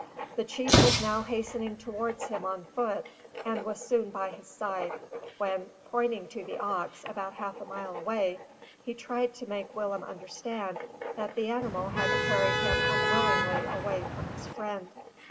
The chief was now hastening towards him on foot, and was soon by his side, when, pointing to the ox about half a mile away, he tried to make Willem understand that that animal had carried him unwillingly away from his friend.